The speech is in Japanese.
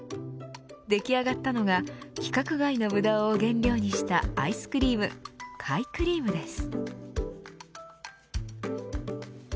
出来上がったのが規格外のブドウを原料にしたアイスクリーム甲斐クリームです。